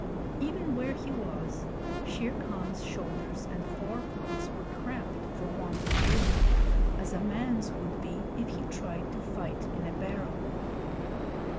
Even where he was, Shere Khan's shoulders and fore paws were cramped for want of room, as a man's would be if he tried to fight in a barrel.